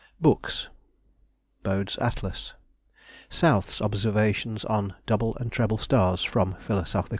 BOOKS. Bode's Atlas. South's Observations on Double and Treble Stars, from Phil.